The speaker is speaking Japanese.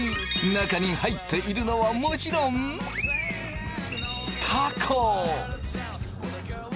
中に入っているのはもちろんたこ！